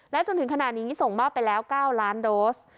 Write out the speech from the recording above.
จนถึงขณะนี้ส่งมอบไปแล้ว๙ล้านโดส